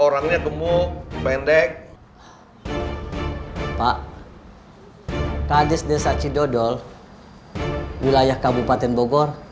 rivulah kata kata pak